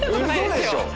うそでしょ！？